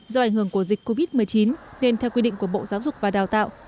do ảnh hưởng của dịch covid một mươi chín nên theo quy định của bộ giáo dục và đào tạo